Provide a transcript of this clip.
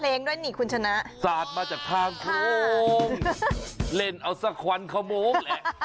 เพลงนี้ลงมาพันขโมง